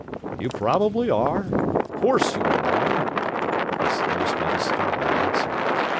"You probably are of course you are wrong," his host made a startling answer.